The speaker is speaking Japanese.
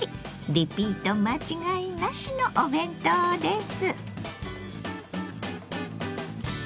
リピート間違いなしのお弁当です。